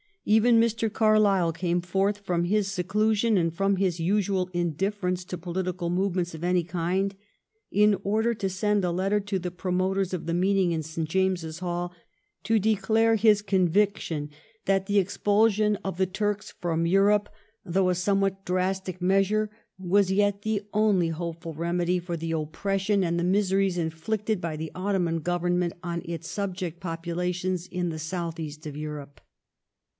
Even Mr. Carlyle came forth from his seclusion and from his usual indifference to politi cal movements of any kind, in order to send a letter to the promoters of the meeting in St. James's Hall to declare his conviction that the expulsion of the 330 THE STORY OF GLADSTONE'S LIFE Turks from Europe, though a somewhat drastic measure, was yet the only hopeful remedy for the oppression and the miseries inflicted by the Otto man Government on its subject populations in the southeast of Europe.